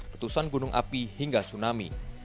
letusan gunung api hingga tsunami